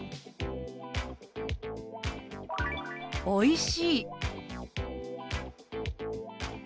「おいしい」。